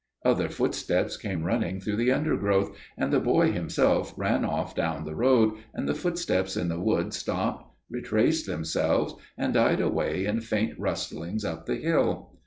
"Other footsteps came running through the undergrowth, and the boy himself ran off down the road, and the footsteps in the wood stopped, retraced themselves and died away in faint rustlings up the hill.